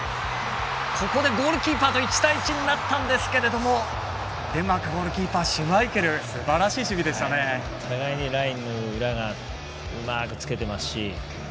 ここでゴールキーパーと１対１になったんですがデンマーク、ゴールキーパーシュマイケル裏がうまくつけていますし。